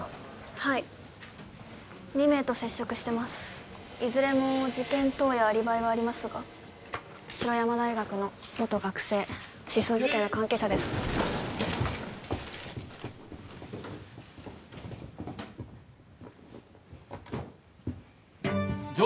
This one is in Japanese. はい二名と接触してますいずれも事件当夜アリバイはありますが白山大学の元学生失踪事件の関係者です・起立！